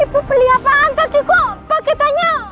ibu beli apaan tadi kok paketannya